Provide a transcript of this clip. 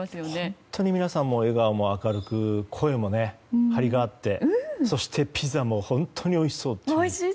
本当に皆さん、笑顔も明るく声も張りがあってそしてピザも本当においしそう。